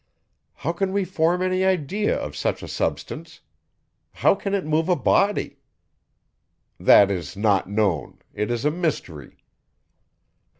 How can we form any idea of such a substance? How can it move a body? That is not known; it is a mystery.